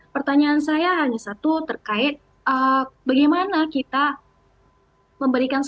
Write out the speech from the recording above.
pertanyaan saya hanya satu terkait bagaimana kita memberikan